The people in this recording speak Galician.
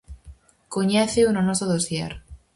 Coñéceo no noso dosier.